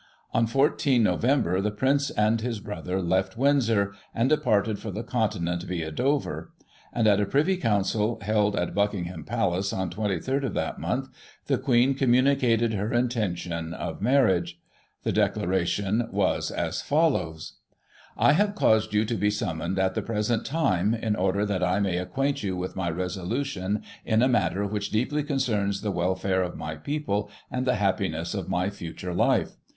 On 14 Nov. the Prince and his brother left Windsor — and departed for the Continent, via Dover ; and, at a Privy Council held at Buckingham Palace on 23rd of that month, the Queen communicated her intention of marriage. The declaration was as follows :" I have caused you to be summoned at the present time, in order that I may acquaint you with my resolution in a matter which deeply concerns the welfare of my people, and the happiness of my future life.